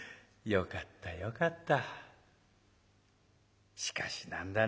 よかったよかった。